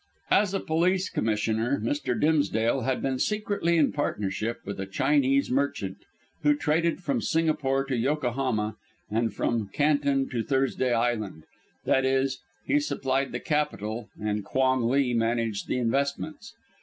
As a police commissioner, Mr. Dimsdale had been secretly in partnership with a Chinese merchant, who traded from Singapore to Yokohama, and from Canton to Thursday Island; that is, he supplied the capital and Quong Lee managed the investments.